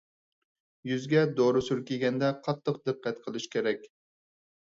يۈزگە دورا سۈركىگەندە قاتتىق دىققەت قىلىش كېرەك.